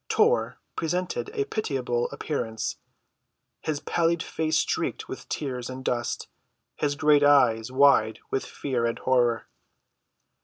Tor presented a pitiable appearance, his pallid face streaked with tears and dust, his great eyes wide with fear and horror.